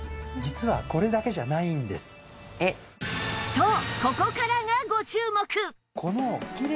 そう！